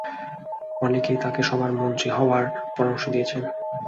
অনেকেই তাঁকে সবার মন্ত্রী হওয়ার পরামর্শ দিয়েছেন।